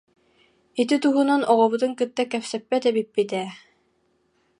Ити туһунан оҕобутун кытта кэпсэппэт эбиппит ээ